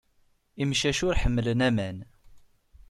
Imcac ur ḥemmlen aman.